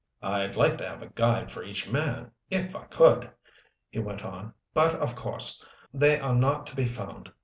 "I'd like to have a guide for each man, if I could," he went on, "but of course they are not to be found.